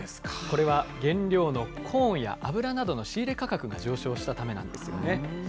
これは原料のコーンや油などの仕入れ価格が上昇したためなんですよね。